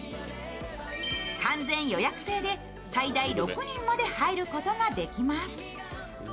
完全予約制で最大６人まで入ることができます。